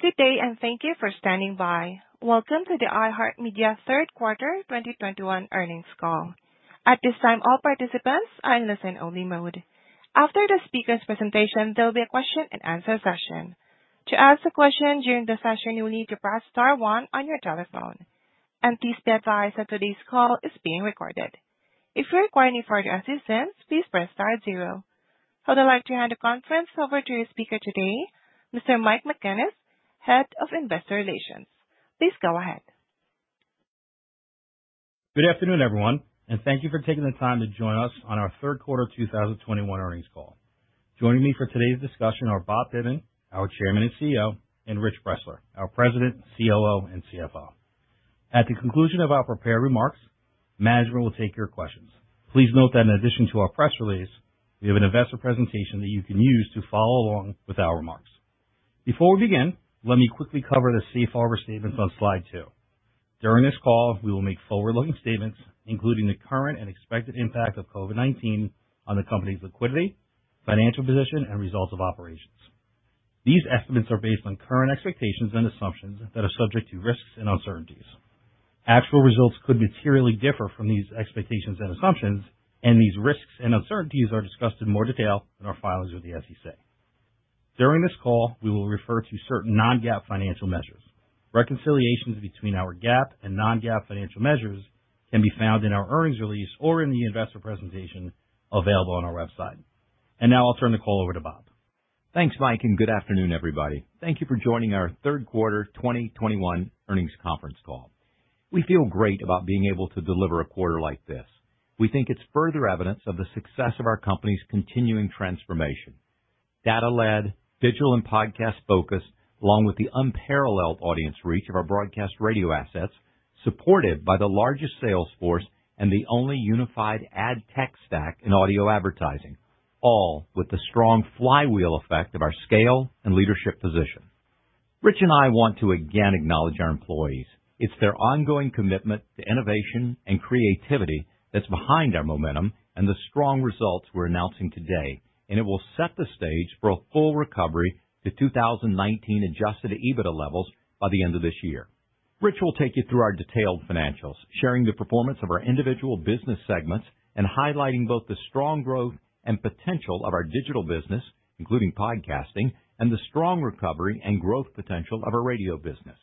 Good day, and thank you for standing by. Welcome to the iHeartMedia third quarter 2021 earnings call. At this time, all participants are in listen only mode. After the speaker's presentation, there'll be a question-and-answer session. To ask a question during the session, you will need to press star one on your telephone. Please be advised that today's call is being recorded. If you require any further assistance, please press star zero. I would like to hand the conference over to your speaker today, Mr. Michael McGuinness, Head of Investor Relations. Please go ahead. Good afternoon, everyone, and thank you for taking the time to join us on our third quarter 2021 earnings call. Joining me for today's discussion are Bob Pittman, our Chairman and CEO, and Rich Bressler, our President, COO, and CFO. At the conclusion of our prepared remarks, management will take your questions. Please note that in addition to our press release, we have an investor presentation that you can use to follow along with our remarks. Before we begin, let me quickly cover the safe harbor statements on slide two. During this call, we will make forward-looking statements, including the current and expected impact of COVID-19 on the company's liquidity, financial position, and results of operations. These estimates are based on current expectations and assumptions that are subject to risks and uncertainties. Actual results could materially differ from these expectations and assumptions, and these risks and uncertainties are discussed in more detail in our filings with the SEC. During this call, we will refer to certain non-GAAP financial measures. Reconciliations between our GAAP and non-GAAP financial measures can be found in our earnings release or in the investor presentation available on our website. Now I'll turn the call over to Bob. Thanks, Mike, and good afternoon, everybody. Thank you for joining our third quarter 2021 earnings conference call. We feel great about being able to deliver a quarter like this. We think it's further evidence of the success of our company's continuing transformation. Data-led, digital and podcast focused, along with the unparalleled audience reach of our broadcast radio assets, supported by the largest sales force and the only unified ad tech stack in audio advertising, all with the strong flywheel effect of our scale and leadership position. Rich and I want to again acknowledge our employees. It's their ongoing commitment to innovation and creativity that's behind our momentum and the strong results we're announcing today, and it will set the stage for a full recovery to 2019 adjusted EBITDA levels by the end of this year. Rich will take you through our detailed financials, sharing the performance of our individual business segments and highlighting both the strong growth and potential of our digital business, including podcasting and the strong recovery and growth potential of our radio business.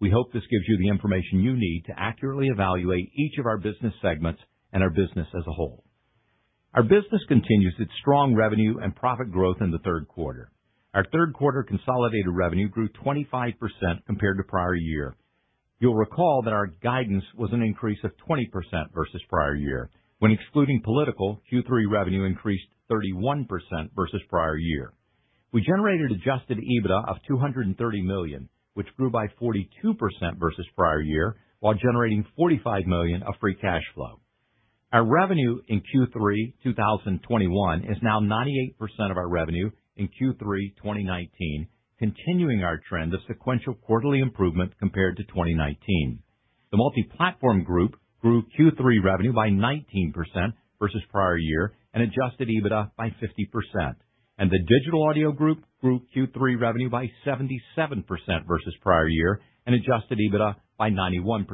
We hope this gives you the information you need to accurately evaluate each of our business segments and our business as a whole. Our business continues its strong revenue and profit growth in the third quarter. Our third quarter consolidated revenue grew 25% compared to prior year. You'll recall that our guidance was an increase of 20% versus prior year. When excluding political, Q3 revenue increased 31% versus prior year. We generated adjusted EBITDA of $230 million, which grew by 42% versus prior year, while generating $45 million of free cash flow. Our revenue in Q3 2021 is now 98% of our revenue in Q3 2019, continuing our trend of sequential quarterly improvement compared to 2019. The Multiplatform Group grew Q3 revenue by 19% versus prior year and adjusted EBITDA by 50%. The Digital Audio Group grew Q3 revenue by 77% versus prior year and adjusted EBITDA by 91%.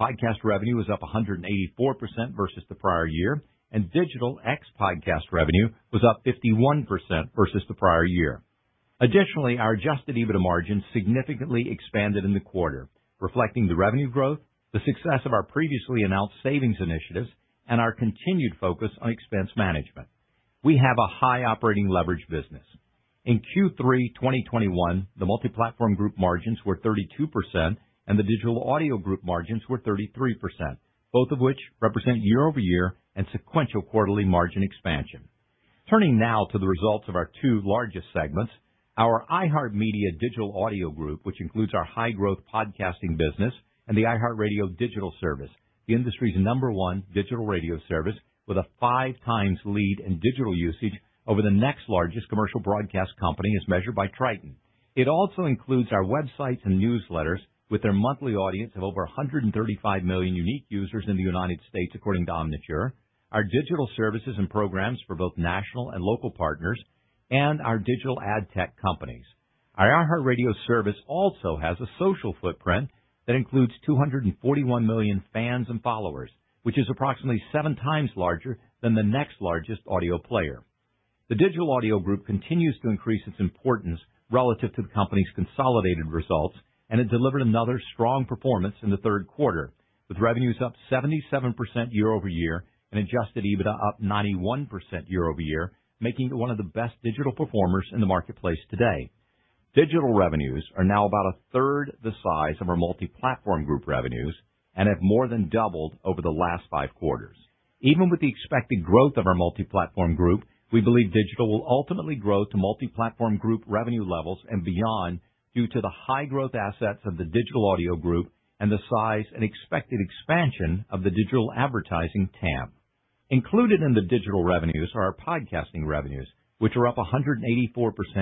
Podcast revenue was up 184% versus the prior year, and digital ex-podcast revenue was up 51% versus the prior year. Additionally, our adjusted EBITDA margin significantly expanded in the quarter, reflecting the revenue growth, the success of our previously announced savings initiatives, and our continued focus on expense management. We have a high operating leverage business. In Q3 2021, the Multiplatform Group margins were 32% and the Digital Audio Group margins were 33%, both of which represent year-over-year and sequential quarterly margin expansion. Turning now to the results of our two largest segments, our iHeartMedia Digital Audio Group, which includes our high growth podcasting business and the iHeartRadio digital service, the industry's number one digital radio service with a 5x lead in digital usage over the next largest commercial broadcast company as measured by Triton. It also includes our websites and newsletters with their monthly audience of over 135 million unique users in the United States, according to Omniture, our digital services and programs for both national and local partners, and our digital ad tech companies. Our iHeartRadio service also has a social footprint that includes 241 million fans and followers, which is approximately 7 times larger than the next largest audio player. The Digital Audio Group continues to increase its importance relative to the company's consolidated results, and it delivered another strong performance in the third quarter, with revenues up 77% year over year and adjusted EBITDA up 91% year over year, making it one of the best digital performers in the marketplace today. Digital revenues are now about a third the size of our Multiplatform Group revenues and have more than doubled over the last five quarters. Even with the expected growth of our Multiplatform Group, we believe digital will ultimately grow to Multiplatform Group revenue levels and beyond due to the high growth assets of the Digital Audio Group and the size and expected expansion of the digital advertising TAM. Included in the digital revenues are our podcasting revenues, which are up 184%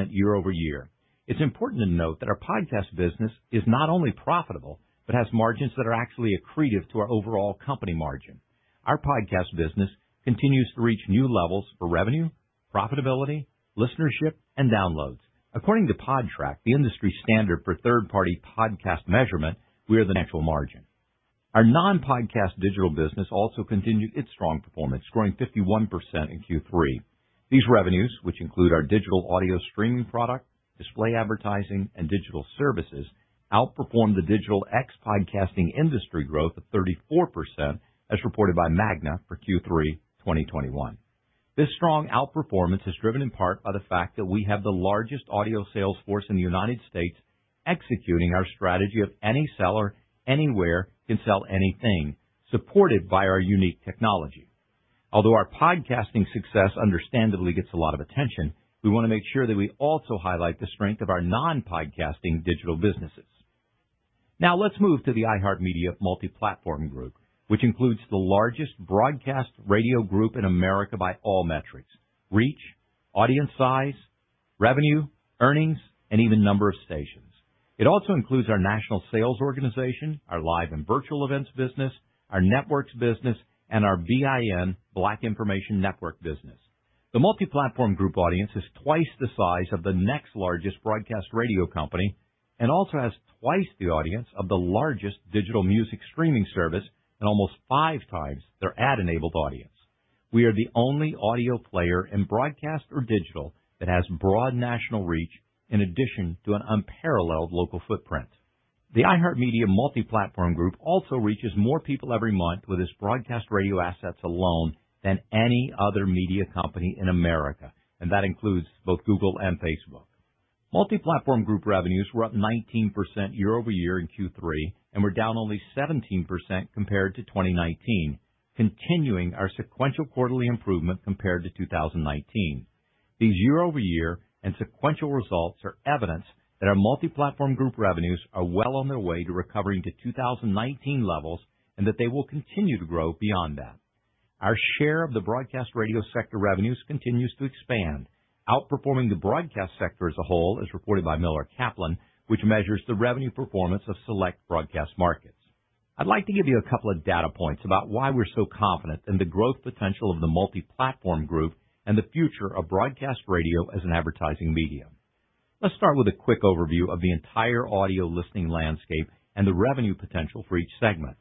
year-over-year. It's important to note that our podcast business is not only profitable, but has margins that are actually accretive to our overall company margin. Our podcast business continues to reach new levels for revenue, profitability, listenership, and downloads. According to Podtrac, the industry standard for third-party podcast measurement, we are the number one. Our non-podcast digital business also continued its strong performance, growing 51% in Q3. These revenues, which include our digital audio streaming product, display advertising, and digital services, outperformed the digital ex-podcasting industry growth of 34%, as reported by MAGNA for Q3 2021. This strong outperformance is driven in part by the fact that we have the largest audio sales force in the United States, executing our strategy of any seller, anywhere, can sell anything, supported by our unique technology. Although our podcasting success understandably gets a lot of attention, we want to make sure that we also highlight the strength of our non-podcasting digital businesses. Now let's move to the iHeartMedia Multiplatform Group, which includes the largest broadcast radio group in America by all metrics, reach, audience size, revenue, earnings, and even number of stations. It also includes our national sales organization, our live and virtual events business, our networks business, and our BIN, Black Information Network business. The Multiplatform Group audience is twice the size of the next largest broadcast radio company and also has twice the audience of the largest digital music streaming service and almost 5 times their ad-enabled audience. We are the only audio player in broadcast or digital that has broad national reach in addition to an unparalleled local footprint. The iHeartMedia Multiplatform Group also reaches more people every month with its broadcast radio assets alone than any other media company in America, and that includes both Google and Facebook. Multiplatform Group revenues were up 19% year-over-year in Q3 and were down only 17% compared to 2019, continuing our sequential quarterly improvement compared to 2019. These year-over-year and sequential results are evidence that our Multiplatform Group revenues are well on their way to recovering to 2019 levels and that they will continue to grow beyond that. Our share of the broadcast radio sector revenues continues to expand, outperforming the broadcast sector as a whole, as reported by Miller Kaplan, which measures the revenue performance of select broadcast markets. I'd like to give you a couple of data points about why we're so confident in the growth potential of the Multiplatform Group and the future of broadcast radio as an advertising medium. Let's start with a quick overview of the entire audio listening landscape and the revenue potential for each segment.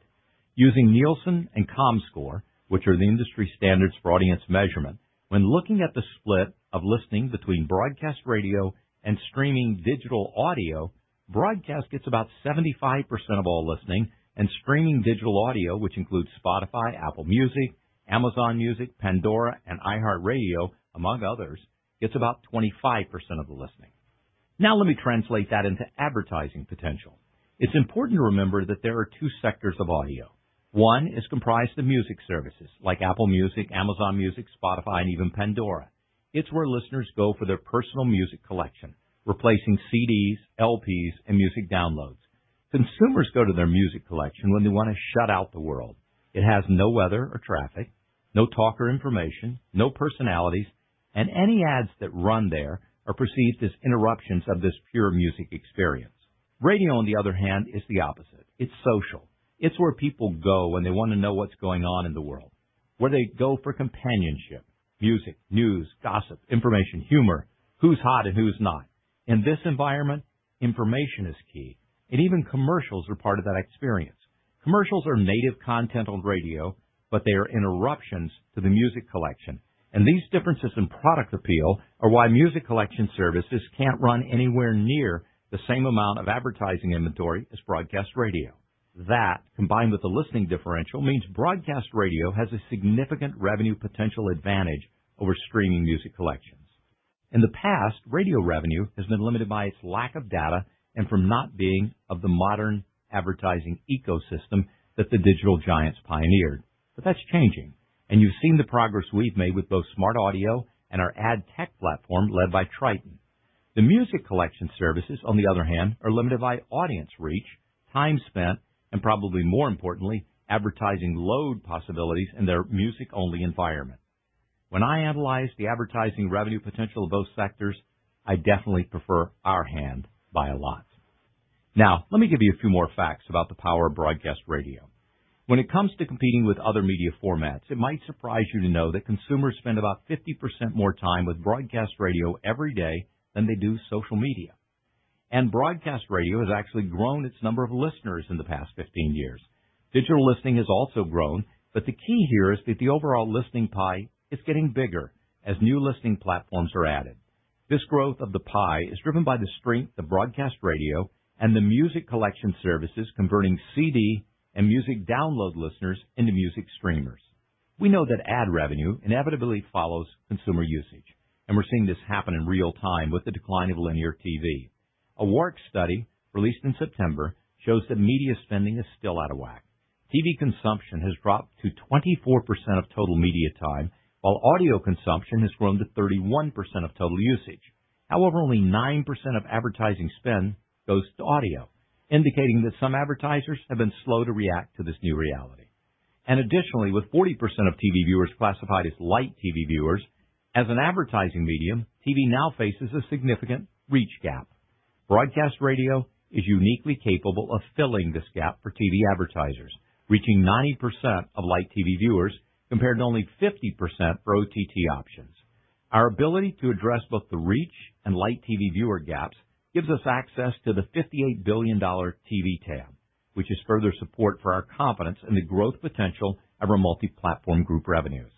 Using Nielsen and Comscore, which are the industry standards for audience measurement, when looking at the split of listening between broadcast radio and streaming digital audio, broadcast gets about 75% of all listening and streaming digital audio, which includes Spotify, Apple Music, Amazon Music, Pandora, and iHeartRadio, among others, gets about 25% of the listening. Now, let me translate that into advertising potential. It's important to remember that there are two sectors of audio. One is comprised of music services like Apple Music, Amazon Music, Spotify, and even Pandora. It's where listeners go for their personal music collection, replacing CDs, LPs, and music downloads. Consumers go to their music collection when they want to shut out the world. It has no weather or traffic, no talk or information, no personalities, and any ads that run there are perceived as interruptions of this pure music experience. Radio, on the other hand, is the opposite. It's social. It's where people go when they want to know what's going on in the world, where they go for companionship, music, news, gossip, information, humor, who's hot and who's not. In this environment, information is key, and even commercials are part of that experience. Commercials are native content on radio, but they are interruptions to the music collection. These differences in product appeal are why music collection services can't run anywhere near the same amount of advertising inventory as broadcast radio. That, combined with the listening differential, means broadcast radio has a significant revenue potential advantage over streaming music collections. In the past, radio revenue has been limited by its lack of data and from not being of the modern advertising ecosystem that the digital giants pioneered. That's changing, and you've seen the progress we've made with both SmartAudio and our ad tech platform led by Triton. The music collection services, on the other hand, are limited by audience reach, time spent, and probably more importantly, advertising load possibilities in their music-only environment. When I analyze the advertising revenue potential of both sectors, I definitely prefer our side by a lot. Now, let me give you a few more facts about the power of broadcast radio. When it comes to competing with other media formats, it might surprise you to know that consumers spend about 50% more time with broadcast radio every day than they do social media. Broadcast radio has actually grown its number of listeners in the past 15 years. Digital listening has also grown, but the key here is that the overall listening pie is getting bigger as new listening platforms are added. This growth of the pie is driven by the strength of broadcast radio and the music collection services converting CD and music download listeners into music streamers. We know that ad revenue inevitably follows consumer usage, and we're seeing this happen in real time with the decline of linear TV. A WARC study released in September shows that media spending is still out of whack. TV consumption has dropped to 24% of total media time, while audio consumption has grown to 31% of total usage. However, only 9% of advertising spend goes to audio, indicating that some advertisers have been slow to react to this new reality. Additionally, with 40% of TV viewers classified as light TV viewers, as an advertising medium, TV now faces a significant reach gap. Broadcast radio is uniquely capable of filling this gap for TV advertisers, reaching 90% of light TV viewers, compared to only 50% for OTT options. Our ability to address both the reach and light TV viewer gaps gives us access to the $58 billion TV tab, which is further support for our confidence in the growth potential of our Multiplatform Group revenues.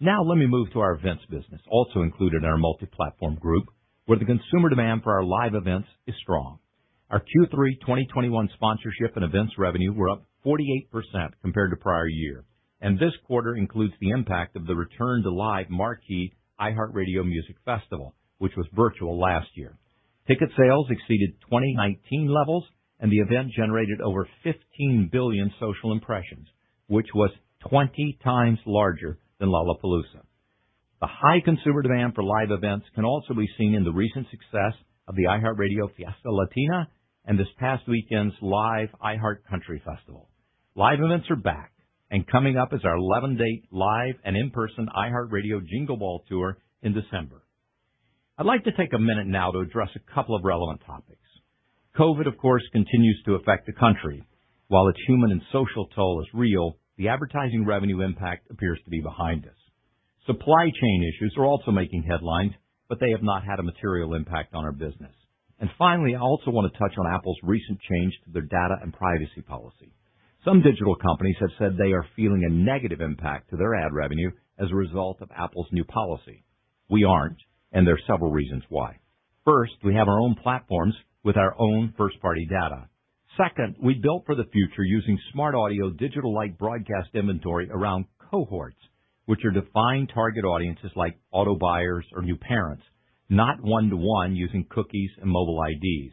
Now let me move to our events business, also included in our Multiplatform Group, where the consumer demand for our live events is strong. Our Q3 2021 sponsorship and events revenue were up 48% compared to prior year, and this quarter includes the impact of the return to live marquee iHeartRadio Music Festival, which was virtual last year. Ticket sales exceeded 2019 levels, and the event generated over 15 billion social impressions, which was 20 times larger than Lollapalooza. The high consumer demand for live events can also be seen in the recent success of the iHeartRadio Fiesta Latina and this past weekend's live iHeartCountry Festival. Live events are back, and coming up is our 11-date live and in-person iHeartRadio Jingle Ball tour in December. I'd like to take a minute now to address a couple of relevant topics. COVID, of course, continues to affect the country. While its human and social toll is real, the advertising revenue impact appears to be behind us. Supply chain issues are also making headlines, but they have not had a material impact on our business. Finally, I also want to touch on Apple's recent change to their data and privacy policy. Some digital companies have said they are feeling a negative impact to their ad revenue as a result of Apple's new policy. We aren't, and there are several reasons why. First, we have our own platforms with our own first-party data. Second, we built for the future using smartAudio digital-like broadcast inventory around cohorts, which are defined target audiences like auto buyers or new parents, not one-to-one using cookies and mobile IDs.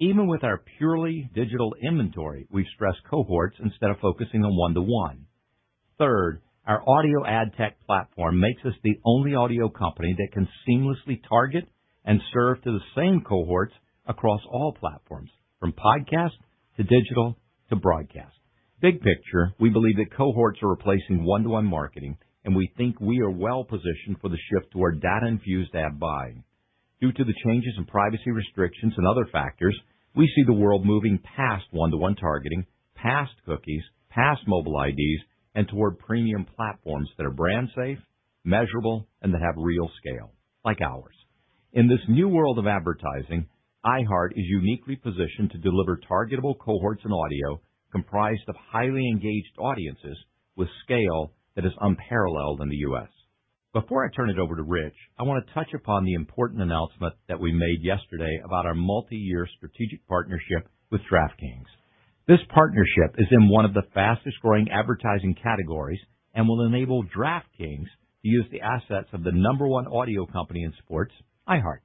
Even with our purely digital inventory, we stress cohorts instead of focusing on one-to-one. Third, our audio ad tech platform makes us the only audio company that can seamlessly target and serve to the same cohorts across all platforms, from podcast to digital to broadcast. Big picture, we believe that cohorts are replacing one-to-one marketing, and we think we are well positioned for the shift toward data-infused ad buying. Due to the changes in privacy restrictions and other factors, we see the world moving past one-to-one targeting, past cookies, past mobile IDs, and toward premium platforms that are brand safe, measurable, and that have real scale, like ours. In this new world of advertising, iHeart is uniquely positioned to deliver targetable cohorts and audio comprised of highly engaged audiences with scale that is unparalleled in the U.S. Before I turn it over to Rich, I wanna touch upon the important announcement that we made yesterday about our multi-year strategic partnership with DraftKings. This partnership is in one of the fastest-growing advertising categories and will enable DraftKings to use the assets of the number one audio company in sports, iHeart.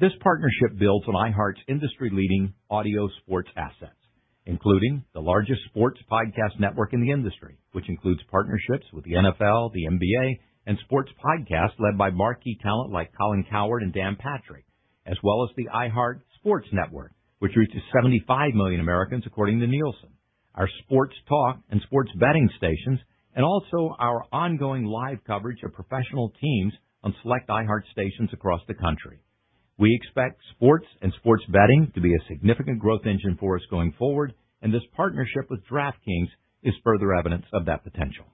This partnership builds on iHeart's industry-leading audio sports assets, including the largest sports podcast network in the industry, which includes partnerships with the NFL, the NBA, and sports podcasts led by marquee talent like Colin Cowherd and Dan Patrick, as well as the iHeartSports Network, which reaches 75 million Americans, according to Nielsen, our sports talk and sports betting stations, and also our ongoing live coverage of professional teams on select iHeart stations across the country. We expect sports and sports betting to be a significant growth engine for us going forward, and this partnership with DraftKings is further evidence of that potential.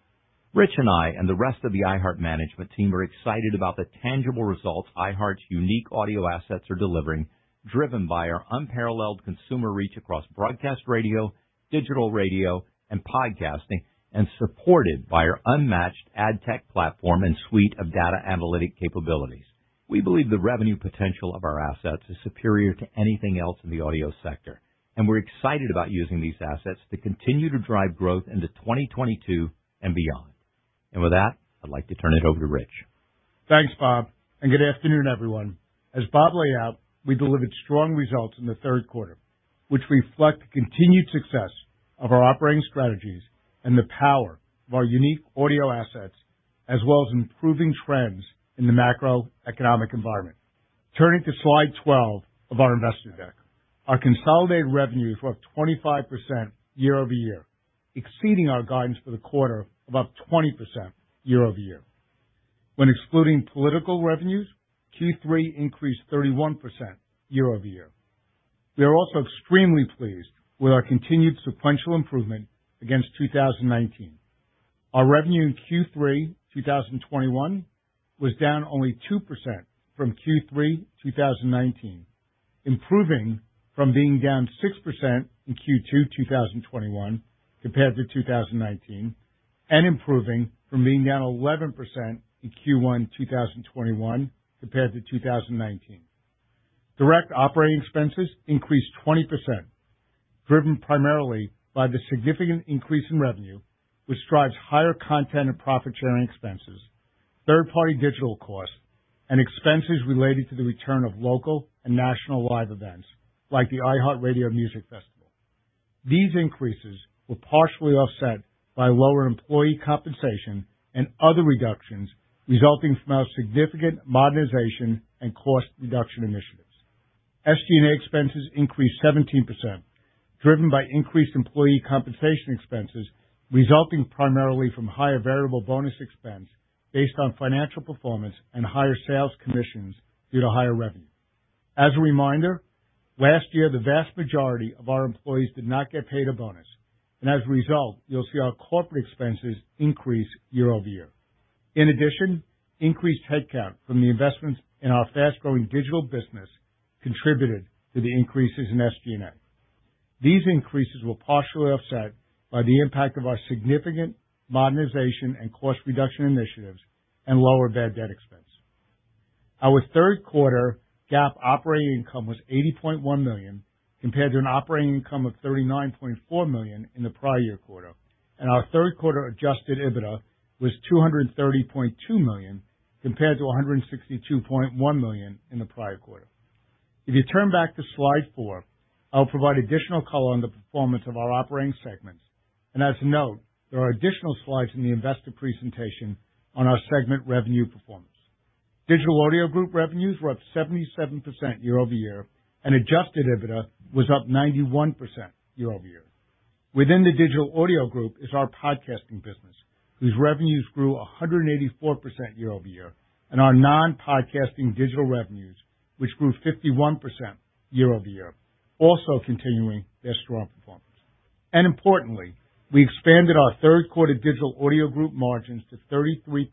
Rich and I and the rest of the iHeart management team are excited about the tangible results iHeart's unique audio assets are delivering, driven by our unparalleled consumer reach across broadcast radio, digital radio, and podcasting, and supported by our unmatched ad tech platform and suite of data analytic capabilities. We believe the revenue potential of our assets is superior to anything else in the audio sector, and we're excited about using these assets to continue to drive growth into 2022 and beyond. With that, I'd like to turn it over to Rich. Thanks, Bob, and good afternoon, everyone. As Bob laid out, we delivered strong results in the third quarter, which reflect the continued success of our operating strategies and the power of our unique audio assets, as well as improving trends in the macroeconomic environment. Turning to slide 12 of our investor deck, our consolidated revenues were up 25% year-over-year, exceeding our guidance for the quarter of up 20% year-over-year. When excluding political revenues, Q3 increased 31% year-over-year. We are also extremely pleased with our continued sequential improvement against 2019. Our revenue in Q3 2021 was down only 2% from Q3 2019, improving from being down 6% in Q2 2021 compared to 2019, and improving from being down 11% in Q1 2021 compared to 2019. Direct operating expenses increased 20%, driven primarily by the significant increase in revenue, which drives higher content and profit sharing expenses, third-party digital costs, and expenses related to the return of local and national live events like the iHeartRadio Music Festival. These increases were partially offset by lower employee compensation and other reductions resulting from our significant modernization and cost reduction initiatives. SG&A expenses increased 17%. Driven by increased employee compensation expenses, resulting primarily from higher variable bonus expense based on financial performance and higher sales commissions due to higher revenue. As a reminder, last year, the vast majority of our employees did not get paid a bonus, and as a result, you'll see our corporate expenses increase year-over-year. In addition, increased headcount from the investments in our fast-growing digital business contributed to the increases in SG&A. These increases were partially offset by the impact of our significant modernization and cost reduction initiatives and lower bad debt expense. Our third quarter GAAP operating income was $80.1 million, compared to an operating income of $39.4 million in the prior year quarter, and our third quarter adjusted EBITDA was $230.2 million, compared to $162.1 million in the prior quarter. If you turn back to slide four, I'll provide additional color on the performance of our operating segments. As a note, there are additional slides in the investor presentation on our segment revenue performance. Digital Audio Group revenues were up 77% year-over-year, and adjusted EBITDA was up 91% year-over-year. Within the Digital Audio Group is our podcasting business, whose revenues grew 184% year-over-year, and our non-podcasting digital revenues, which grew 51% year-over-year, also continuing their strong performance. Importantly, we expanded our third quarter Digital Audio Group margins to 33%,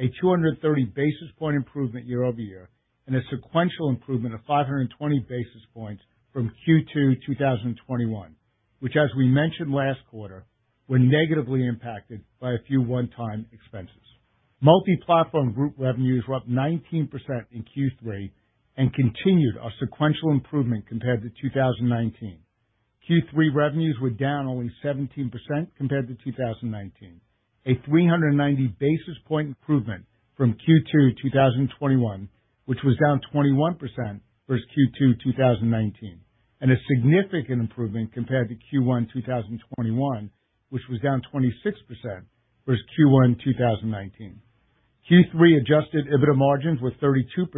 a 230 basis point improvement year-over-year, and a sequential improvement of 520 basis points from Q2 2021, which as we mentioned last quarter, were negatively impacted by a few one-time expenses. Multiplatform Group revenues were up 19% in Q3 and continued our sequential improvement compared to 2019. Q3 revenues were down only 17% compared to 2019, a 390 basis point improvement from Q2 2021, which was down 21% versus Q2 2019, and a significant improvement compared to Q1 2021, which was down 26% versus Q1 2019. Q3 adjusted EBITDA margins were 32%,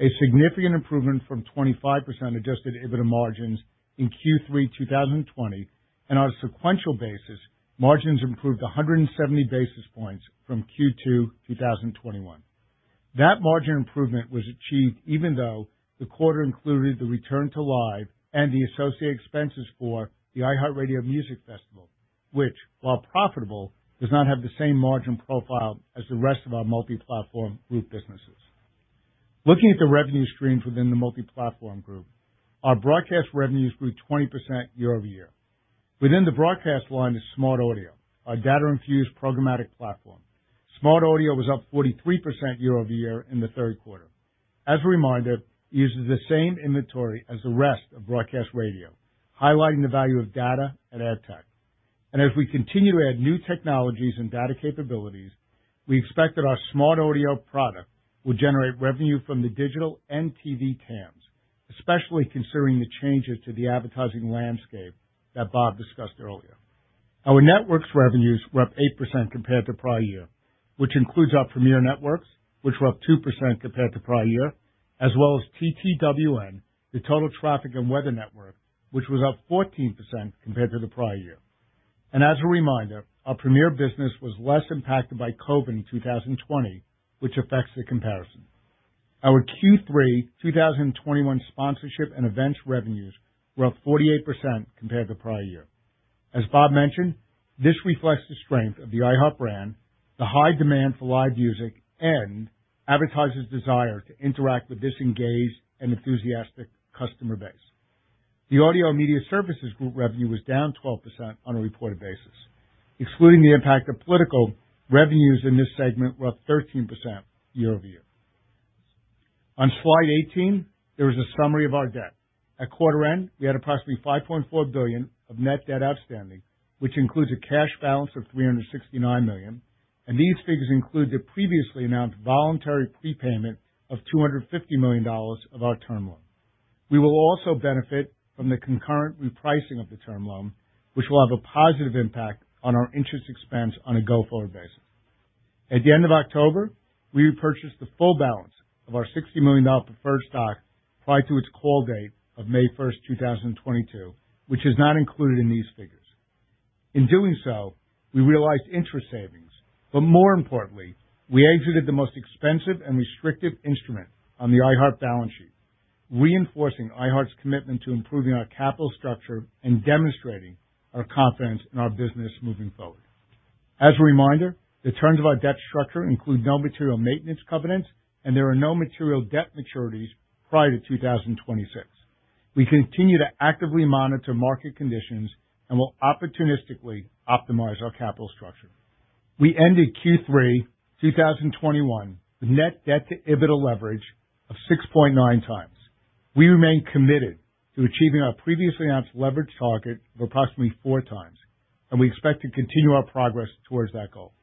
a significant improvement from 25% adjusted EBITDA margins in Q3 2020. On a sequential basis, margins improved 170 basis points from Q2 2021. That margin improvement was achieved even though the quarter included the return to live and the associated expenses for the iHeartRadio Music Festival, which, while profitable, does not have the same margin profile as the rest of our Multiplatform Group businesses. Looking at the revenue streams within the Multiplatform Group, our broadcast revenues grew 20% year-over-year. Within the broadcast line is SmartAudio, our data-infused programmatic platform. SmartAudio was up 43% year-over-year in the third quarter. As a reminder, it uses the same inventory as the rest of broadcast radio, highlighting the value of data at ad tech. As we continue to add new technologies and data capabilities, we expect that our SmartAudio product will generate revenue from the digital and TV TAMs, especially considering the changes to the advertising landscape that Bob discussed earlier. Our networks revenues were up 8% compared to prior year, which includes our Premiere Networks, which were up 2% compared to prior year, as well as TTWN, the Total Traffic & Weather Network, which was up 14% compared to the prior year. As a reminder, our Premiere business was less impacted by COVID in 2020, which affects the comparison. Our Q3 2021 sponsorship and events revenues were up 48% compared to prior year. As Bob mentioned, this reflects the strength of the iHeart brand, the high demand for live music, and advertisers' desire to interact with this engaged and enthusiastic customer base. The Audio and Media Services group revenue was down 12% on a reported basis. Excluding the impact of political, revenues in this segment were up 13% year-over-year. On slide 18, there is a summary of our debt. At quarter end, we had approximately $5.4 billion of net debt outstanding, which includes a cash balance of $369 million, and these figures include the previously announced voluntary prepayment of $250 million of our term loan. We will also benefit from the concurrent repricing of the term loan, which will have a positive impact on our interest expense on a go-forward basis. At the end of October, we repurchased the full balance of our $60 million preferred stock prior to its call date of May 1, 2022, which is not included in these figures. In doing so, we realized interest savings, but more importantly, we exited the most expensive and restrictive instrument on the iHeart balance sheet, reinforcing iHeart's commitment to improving our capital structure and demonstrating our confidence in our business moving forward. As a reminder, the terms of our debt structure include no material maintenance covenants and there are no material debt maturities prior to 2026. We continue to actively monitor market conditions and will opportunistically optimize our capital structure. We ended Q3 2021 with net debt to EBITDA leverage of 6.9x. We remain committed to achieving our previously announced leverage target of approximately 4x, and we expect to continue our progress towards that goal.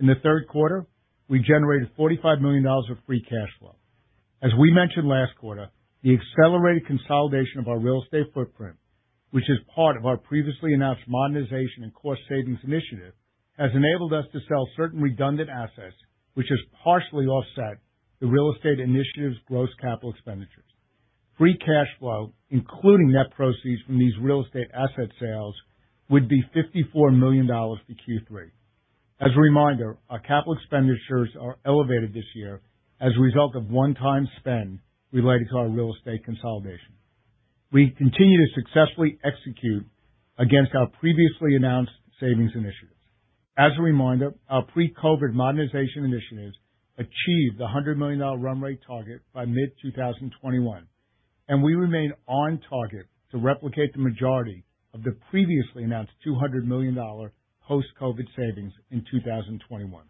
In the third quarter, we generated $45 million of free cash flow. As we mentioned last quarter, the accelerated consolidation of our real estate footprint, which is part of our previously announced modernization and cost savings initiative, has enabled us to sell certain redundant assets, which has partially offset the real estate initiative's gross capital expenditures. Free cash flow, including net proceeds from these real estate asset sales, would be $54 million for Q3. As a reminder, our capital expenditures are elevated this year as a result of one-time spend related to our real estate consolidation. We continue to successfully execute against our previously announced savings initiatives. As a reminder, our pre-COVID modernization initiatives achieved the $100 million run rate target by mid-2021, and we remain on target to replicate the majority of the previously announced $200 million post-COVID savings in 2021.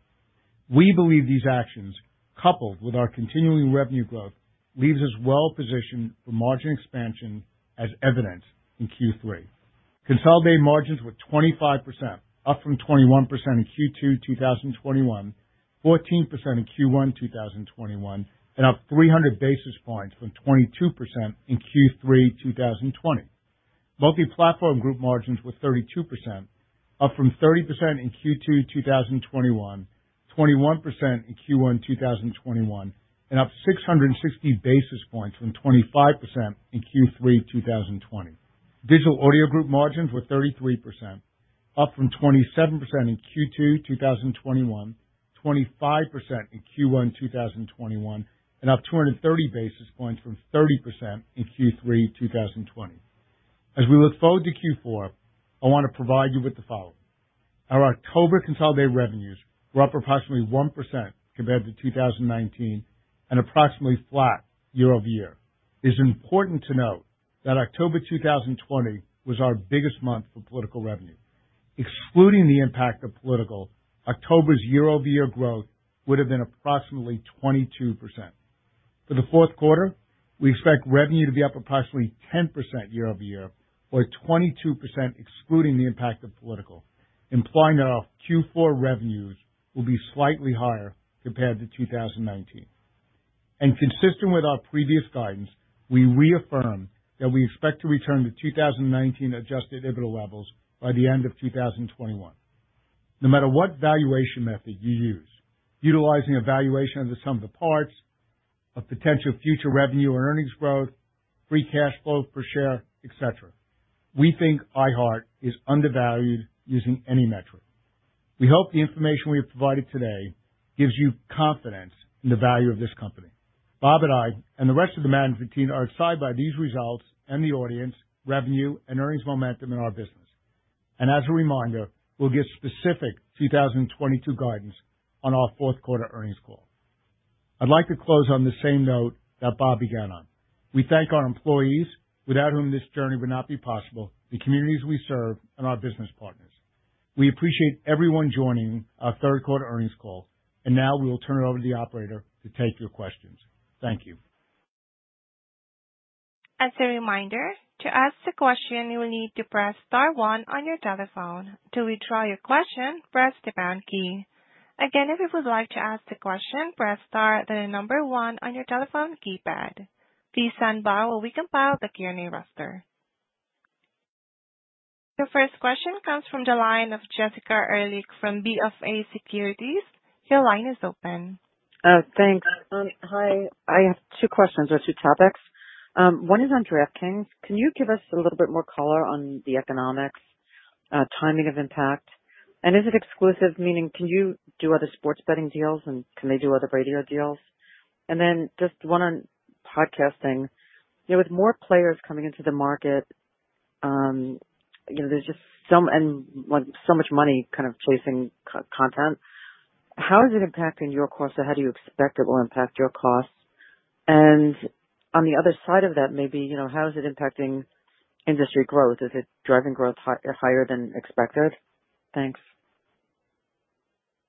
We believe these actions, coupled with our continuing revenue growth, leaves us well positioned for margin expansion as evidenced in Q3. Consolidated margins were 25%, up from 21% in Q2 2021, 14% in Q1 2021, and up 300 basis points from 22% in Q3 2020. Multiplatform Group margins were 32%, up from 30% in Q2 2021, 21% in Q1 2021, and up 660 basis points from 25% in Q3 2020. Digital Audio Group margins were 33%, up from 27% in Q2 2021, 25% in Q1 2021, and up 230 basis points from 30% in Q3 2020. As we look forward to Q4, I want to provide you with the following. Our October consolidated revenues were up approximately 1% compared to 2019 and approximately flat year-over-year. It is important to note that October 2020 was our biggest month for political revenue. Excluding the impact of political, October's year-over-year growth would have been approximately 22%. For the fourth quarter, we expect revenue to be up approximately 10% year-over-year, or 22% excluding the impact of political, implying that our Q4 revenues will be slightly higher compared to 2019. Consistent with our previous guidance, we reaffirm that we expect to return to 2019 adjusted EBITDA levels by the end of 2021. No matter what valuation method you use, utilizing a valuation of the sum of the parts, of potential future revenue or earnings growth, free cash flow per share, et cetera, we think iHeart is undervalued using any metric. We hope the information we have provided today gives you confidence in the value of this company. Bob and I, and the rest of the management team are excited by these results and the audience, revenue and earnings momentum in our business. As a reminder, we'll give specific 2022 guidance on our fourth quarter earnings call. I'd like to close on the same note that Bob began on. We thank our employees, without whom this journey would not be possible, the communities we serve, and our business partners. We appreciate everyone joining our third quarter earnings call. Now we will turn it over to the operator to take your questions. Thank you. As a reminder, to ask the question, you will need to press star one on your telephone. To withdraw your question, press the pound key. Again, if you would like to ask the question, press star, then the number one on your telephone keypad. Please stand by while we compile the Q&A roster. Your first question comes from the line of Jessica Reif Ehrlich from BofA Securities. Your line is open. Thanks. Hi. I have two questions or two topics. One is on DraftKings. Can you give us a little bit more color on the economics, timing of impact? And is it exclusive, meaning can you do other sports betting deals and can they do other radio deals? And then just one on podcasting. You know, with more players coming into the market, you know, there's just so much money kind of chasing content. How is it impacting your costs or how do you expect it will impact your costs? And on the other side of that, maybe, you know, how is it impacting industry growth? Is it driving growth higher than expected? Thanks.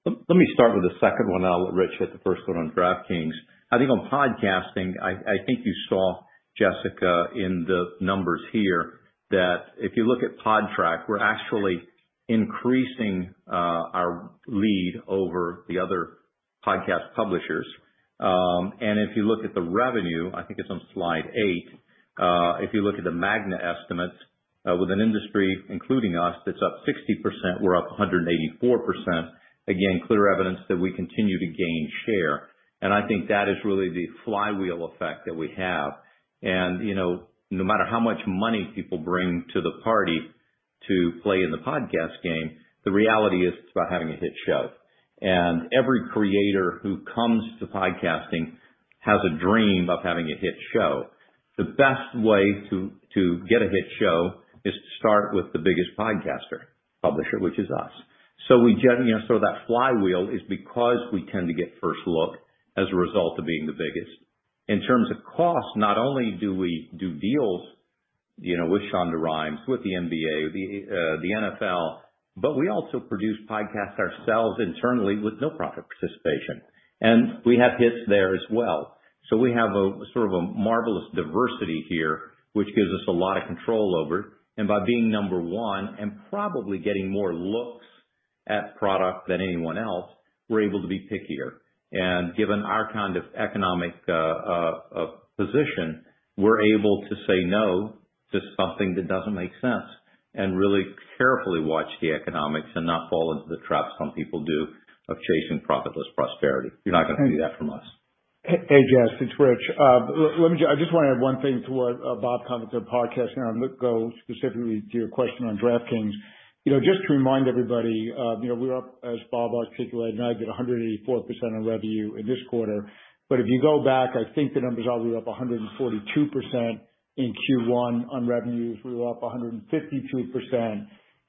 Let me start with the second one. I'll let Rich hit the first one on DraftKings. I think on podcasting, I think you saw, Jessica, in the numbers here, that if you look at Podtrac, we're actually increasing our lead over the other podcast publishers. And if you look at the revenue, I think it's on slide eight, if you look at the MAGNA estimates, with an industry including us that's up 60%, we're up 184%. Again, clear evidence that we continue to gain share. I think that is really the flywheel effect that we have. You know, no matter how much money people bring to the party to play in the podcast game, the reality is it's about having a hit show. Every creator who comes to podcasting has a dream of having a hit show. The best way to get a hit show is to start with the biggest podcast publisher, which is us. You know, that flywheel is because we tend to get first look as a result of being the biggest. In terms of cost, not only do we do deals, you know, with Shonda Rhimes, with the NBA, the NFL, but we also produce podcasts ourselves internally with no profit participation. We have hits there as well. We have a sort of a marvelous diversity here, which gives us a lot of control over. By being number one and probably getting more looks at product than anyone else, we're able to be pickier. Given our kind of economic position, we're able to say no. Just something that doesn't make sense. Really carefully watch the economics and not fall into the traps some people do of chasing profitless prosperity. You're not gonna see that from us. Hey, Jess, it's Rich. Let me just wanna add one thing to what Bob commented on podcasting, and I'm gonna go specifically to your question on DraftKings. You know, just to remind everybody, you know, we're up, as Bob articulated, now at 184% on revenue in this quarter. But if you go back, I think the numbers are, we were up 142% in Q1 on revenues. We were up 152%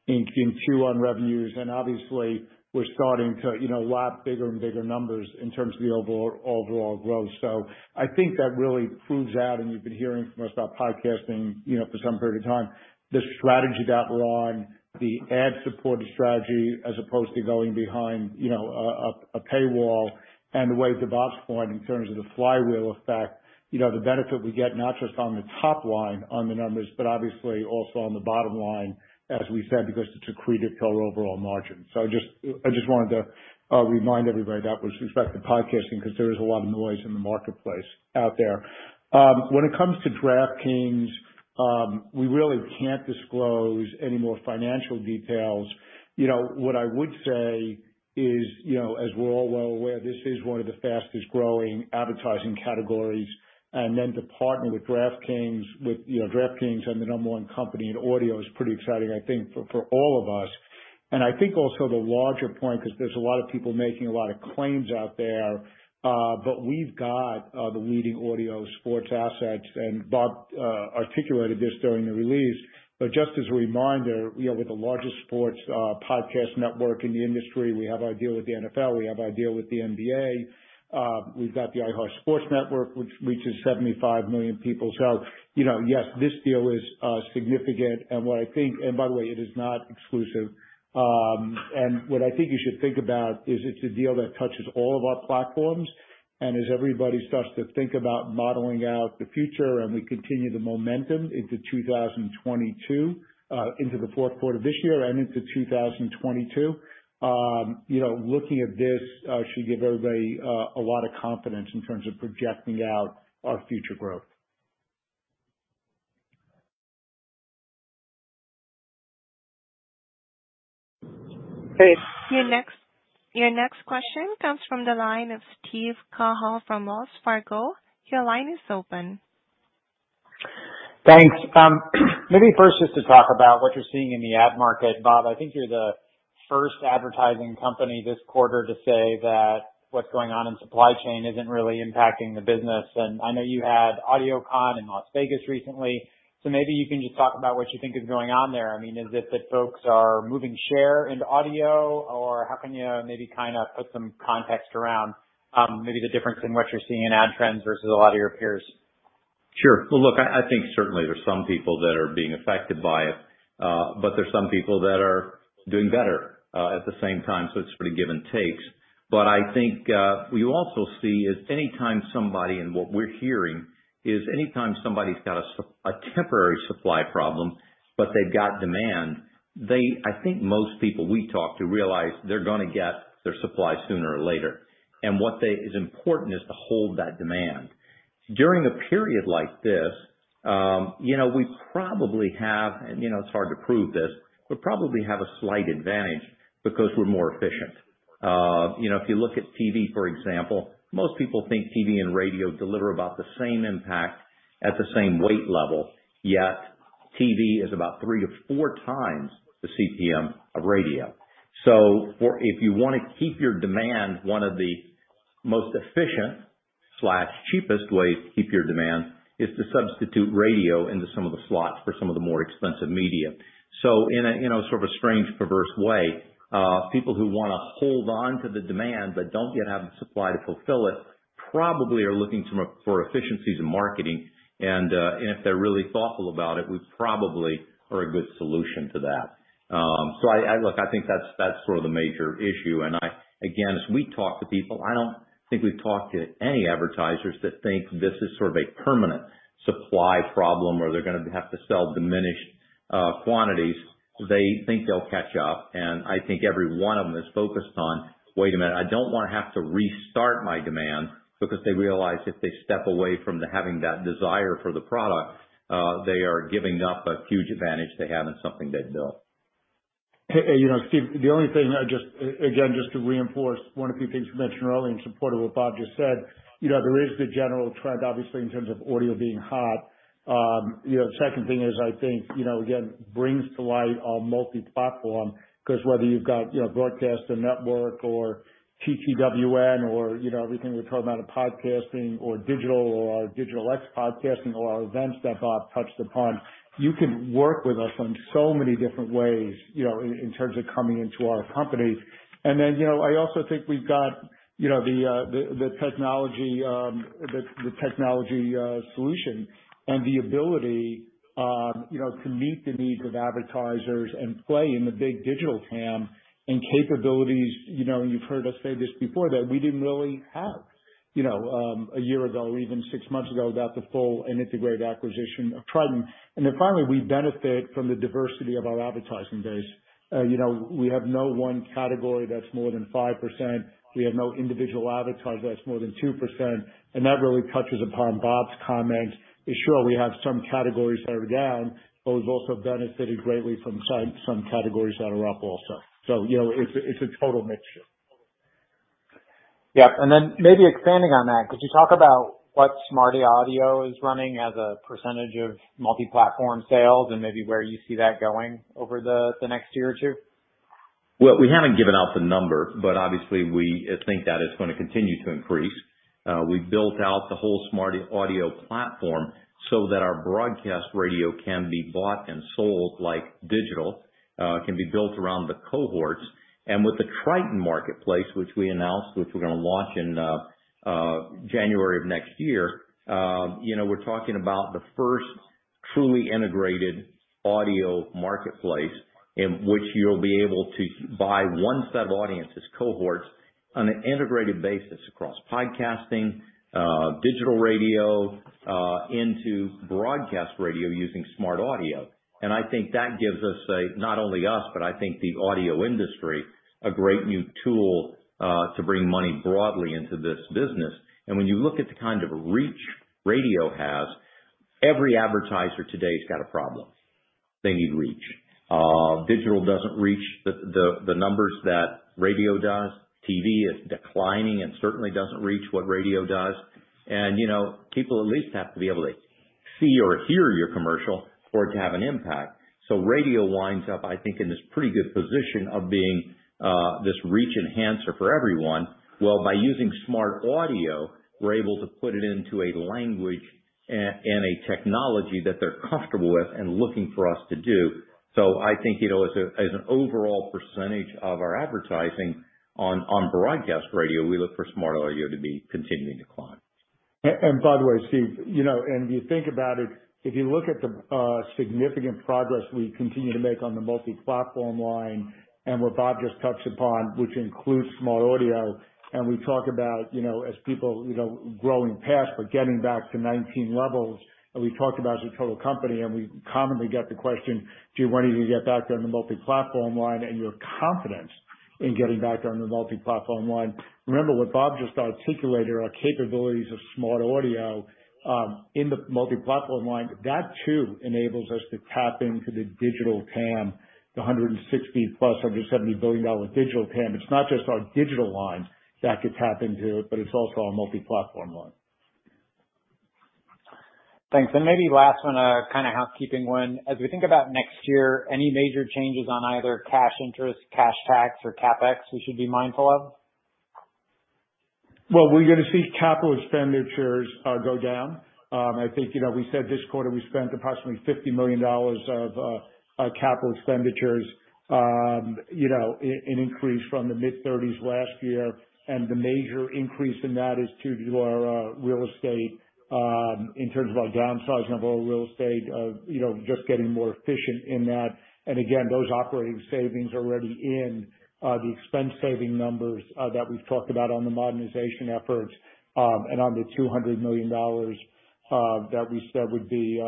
in Q1 revenues. And obviously we're starting to, you know, lap bigger and bigger numbers in terms of the overall growth. So I think that really proves out, and you've been hearing from us about podcasting, you know, for some period of time, the strategy to outrun the ad-supported strategy as opposed to going behind, you know, a paywall. The way that Bob's pointed in terms of the flywheel effect, you know, the benefit we get not just on the top line on the numbers, but obviously also on the bottom line, as we said, because it's accretive to our overall margin. I just wanted to remind everybody that with respect to podcasting because there is a lot of noise in the marketplace out there. When it comes to DraftKings, we really can't disclose any more financial details. You know, what I would say is, you know, as we're all well aware, this is one of the fastest growing advertising categories. To partner with DraftKings, you know, DraftKings and the number one company in audio is pretty exciting, I think, for all of us. I think also the larger point, 'cause there's a lot of people making a lot of claims out there, but we've got the leading audio sports assets, and Bob articulated this during the release. Just as a reminder, we are with the largest sports podcast network in the industry. We have our deal with the NFL. We have our deal with the NBA. We've got the iHeartSports Network, which reaches 75 million people. You know, yes, this deal is significant. What I think, and by the way, it is not exclusive. What I think you should think about is it's a deal that touches all of our platforms. As everybody starts to think about modeling out the future and we continue the momentum into 2022, into the fourth quarter of this year and into 2022, you know, looking at this should give everybody a lot of confidence in terms of projecting out our future growth. Great. Your next question comes from the line of Steven Cahall from Wells Fargo. Your line is open. Thanks. Maybe first just to talk about what you're seeing in the ad market. Bob, I think you're the first advertising company this quarter to say that what's going on in supply chain isn't really impacting the business. I know you had AudioCon in Las Vegas recently, so maybe you can just talk about what you think is going on there. I mean, is it that folks are moving share into audio? Or how can you maybe kind of put some context around, maybe the difference in what you're seeing in ad trends versus a lot of your peers? Sure. Well, look, I think certainly there's some people that are being affected by it, but there's some people that are doing better at the same time, so it's sort of give and takes. I think we also see is, and what we're hearing is anytime somebody's got a temporary supply problem, but they've got demand, they, I think most people we talk to realize they're gonna get their supply sooner or later. What is important is to hold that demand. During a period like this, you know, it's hard to prove this, but we probably have a slight advantage because we're more efficient. You know, if you look at TV, for example, most people think TV and radio deliver about the same impact at the same weight level, yet TV is about 3-4 times the CPM of radio. If you wanna keep your demand, one of the most efficient slash cheapest ways to keep your demand is to substitute radio into some of the slots for some of the more expensive media. You know, sort of a strange, perverse way, people who wanna hold on to the demand but don't yet have the supply to fulfill it probably are looking for efficiencies in marketing. If they're really thoughtful about it, we probably are a good solution to that. Look, I think that's sort of the major issue. I, again, as we talk to people, I don't think we've talked to any advertisers that think this is sort of a permanent supply problem or they're gonna have to sell diminished quantities. They think they'll catch up, and I think every one of them is focused on, "Wait a minute, I don't wanna have to restart my demand," because they realize if they step away from the having that desire for the product, they are giving up a huge advantage they have in something they've built. Hey, you know, Steve, the only thing I just to reinforce one or two things you mentioned earlier in support of what Bob just said. You know, there is the general trend, obviously, in terms of audio being hot. You know, the second thing is, I think, you know, again, brings to light our multi-platform, 'cause whether you've got, you know, broadcast and network or TTWN or, you know, everything we're talking about in podcasting or digital or our digital ex-podcasting or our events that Bob touched upon, you can work with us on so many different ways, you know, in terms of coming into our company. You know, I also think we've got, you know, the technology solution and the ability, you know, to meet the needs of advertisers and play in the big digital TAM and capabilities, you know, and you've heard us say this before, that we didn't really have you know a year ago or even six months ago. Got the full and integrated acquisition of Triton. Finally, we benefit from the diversity of our advertising base. You know, we have no one category that's more than 5%. We have no individual advertiser that's more than 2%. That really touches upon Bob's comments. Sure we have some categories that are down, but we've also benefited greatly from some categories that are up also. You know, it's a total mixture. Yeah. Maybe expanding on that, could you talk about what SmartAudio is running as a % of Multiplatform sales and maybe where you see that going over the next year or two? Well, we haven't given out the number, but obviously we think that is gonna continue to increase. We've built out the whole SmartAudio platform so that our broadcast radio can be bought and sold like digital, can be built around the cohorts. With the Triton Marketplace, which we announced, which we're gonna launch in January of next year, you know, we're talking about the first truly integrated audio marketplace in which you'll be able to buy one set of audiences cohorts on an integrated basis across podcasting, digital radio, into broadcast radio using SmartAudio. I think that gives us a, not only us, but I think the audio industry, a great new tool, to bring money broadly into this business. When you look at the kind of reach radio has, every advertiser today has got a problem. They need reach. Digital doesn't reach the numbers that radio does. TV is declining and certainly doesn't reach what radio does. You know, people at least have to be able to see or hear your commercial for it to have an impact. Radio winds up, I think, in this pretty good position of being this reach enhancer for everyone. Well, by using SmartAudio, we're able to put it into a language and a technology that they're comfortable with and looking for us to do. I think, you know, as an overall percentage of our advertising on broadcast radio, we look for SmartAudio to be continuing to climb. By the way, Steve, you know, and you think about it, if you look at the significant progress we continue to make on the multiplatform line and what Bob just touched upon, which includes SmartAudio, and we talk about, you know, as people, you know, growing past, but getting back to 2019 levels, and we talked about as a total company and we commonly get the question, do you want to get back there on the multiplatform line and your confidence in getting back on the multiplatform line? Remember what Bob just articulated, our capabilities of SmartAudio in the multiplatform line. That too enables us to tap into the digital TAM, the $160 billion-$170 billion digital TAM. It's not just our digital lines that could tap into it, but it's also our multiplatform line. Thanks. Maybe last one, kind of housekeeping one. As we think about next year, any major changes on either cash interest, cash tax or CapEx we should be mindful of? Well, we're gonna see capital expenditures go down. I think, you know, we said this quarter we spent approximately $50 million of capital expenditures, you know, increase from the mid-30s last year. The major increase in that is due to our real estate, in terms of our downsizing of our real estate, you know, just getting more efficient in that. Again, those operating savings already in the expense saving numbers that we've talked about on the modernization efforts, and on the $200 million that we said would be,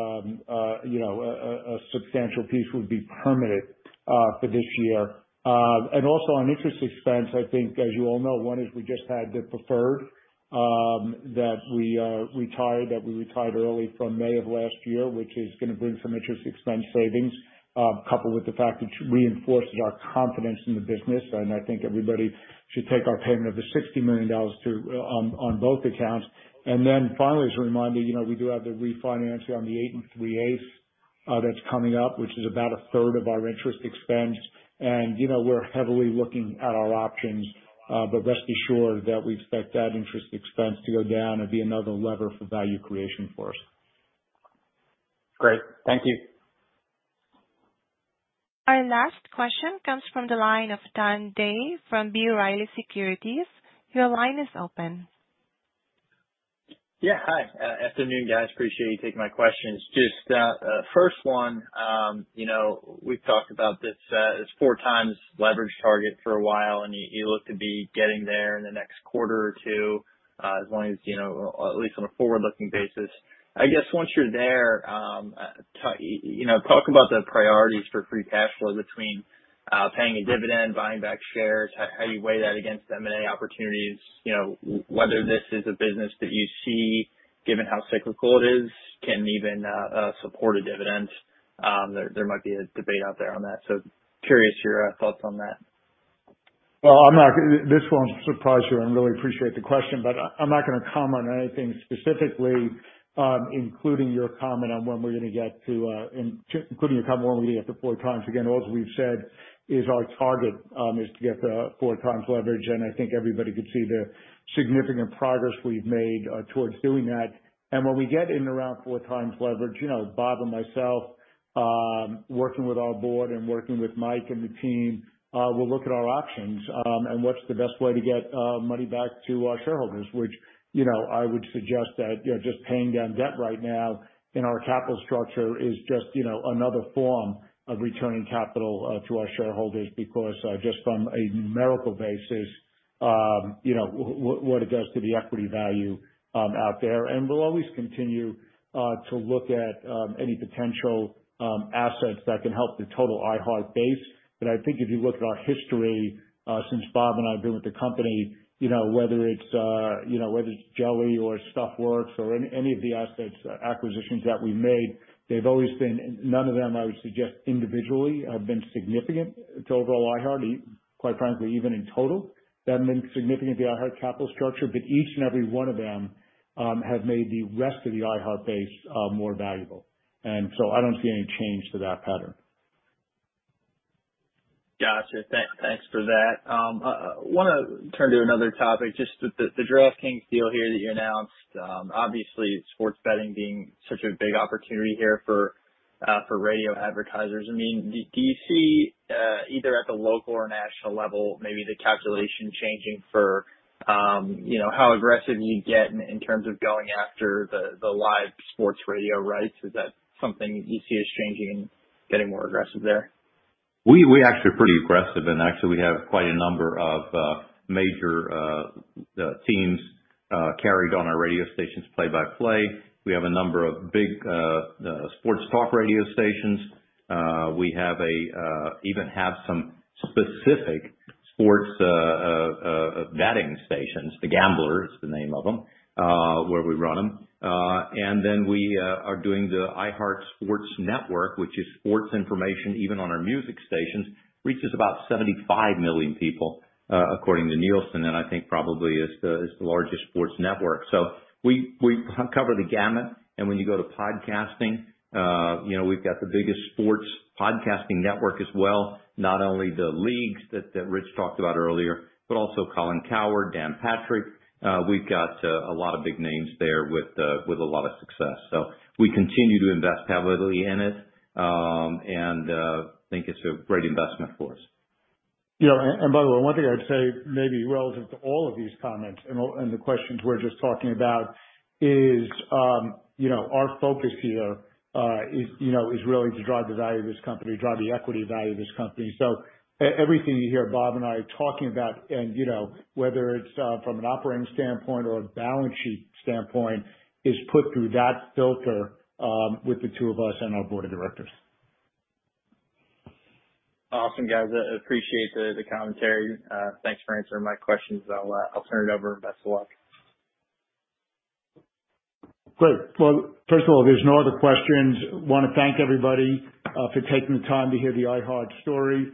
you know, a substantial piece would be permitted for this year. Also on interest expense, I think, as you all know, one is we just had the preferred that we retired early from May of last year, which is gonna bring some interest expense savings, coupled with the fact that reinforced our confidence in the business. I think everybody should take our payment of the $60 million to on both accounts. Then finally, as a reminder, you know, we do have the refinancing on the 8.375%, that's coming up, which is about a third of our interest expense. You know, we're heavily looking at our options, but rest assured that we expect that interest expense to go down and be another lever for value creation for us. Great. Thank you. Our last question comes from the line of Dan Day from B. Riley Securities. Your line is open. Yeah. Hi, afternoon guys, appreciate you taking my questions. Just first one, you know, we've talked about this 4x leverage target for a while, and you look to be getting there in the next quarter or 2, as long as, you know, at least on a forward-looking basis. I guess once you're there, you know, talk about the priorities for free cash flow between paying a dividend, buying back shares, how you weigh that against M&A opportunities. You know, whether this is a business that you see, given how cyclical it is, can even support a dividend. There might be a debate out there on that. Curious your thoughts on that. Well, this won't surprise you, and I really appreciate the question, but I'm not gonna comment on anything specifically, including your comment on when we're gonna get to 4x. Again, all that we've said is our target is to get to 4x leverage. I think everybody could see the significant progress we've made towards doing that. When we get in around 4 times leverage, you know, Bob and myself, working with our board and working with Mike and the team, we'll look at our options, and what's the best way to get money back to our shareholders, which, you know, I would suggest that, you know, just paying down debt right now in our capital structure is just, you know, another form of returning capital to our shareholders because just from a numerical basis, you know, what it does to the equity value out there. We'll always continue to look at any potential assets that can help the total iHeart base. I think if you look at our history, since Bob and I have been with the company, you know, whether it's, you know, whether it's Jelli or Stuff Media or any of the assets, acquisitions that we've made, they've always been. None of them, I would suggest individually have been significant to overall iHeart. Quite frankly, even in total, haven't been significant to the iHeart capital structure, but each and every one of them have made the rest of the iHeart base more valuable. I don't see any change to that pattern. Gotcha. Thanks for that. I wanna turn to another topic. Just the DraftKings deal here that you announced. Obviously sports betting being such a big opportunity here for radio advertisers. I mean, do you see either at the local or national level, maybe the calculation changing for you know, how aggressive you get in terms of going after the live sports radio rights? Is that something you see as changing, getting more aggressive there? We're actually pretty aggressive, and actually we have quite a number of major teams carried on our radio stations play-by-play. We have a number of big sports talk radio stations. We even have some specific sports betting stations, The Gambler is the name of them, where we run them. Then we are doing the iHeartSports Network, which is sports information even on our music stations. It reaches about 75 million people according to Nielsen, and I think probably is the largest sports network. We cover the gamut. When you go to podcasting, you know, we've got the biggest sports podcasting network as well. Not only the leagues that Rich talked about earlier, but also Colin Cowherd, Dan Patrick. We've got a lot of big names there with a lot of success. We continue to invest heavily in it, and think it's a great investment for us. You know, by the way, one thing I'd say maybe relative to all of these comments and the questions we're just talking about is, you know, our focus here is really to drive the value of this company, drive the equity value of this company. Everything you hear Bob and I talking about and, you know, whether it's from an operating standpoint or a balance sheet standpoint, is put through that filter with the two of us and our board of directors. Awesome, guys. I appreciate the commentary. Thanks for answering my questions. I'll turn it over. Best of luck. Great. Well, first of all, if there's no other questions, wanna thank everybody for taking the time to hear the iHeart story.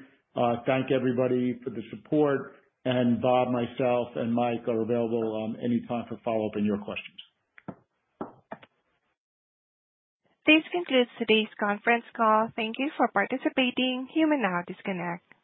Thank everybody for the support. Bob, myself, and Mike are available any time for follow-up and your questions. This concludes today's conference call. Thank you for participating. You may now disconnect.